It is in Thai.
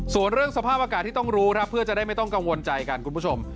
ส่วนเรื่องสภาพอากาศที่ต้องรู้ครับเพื่อจะได้ไม่ต้องกังวลใจกันคุณผู้ชม